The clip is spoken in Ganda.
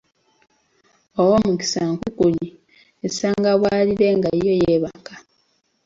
Owoomukisa nkukunyi, esanga bwalire nga yo yeebaka!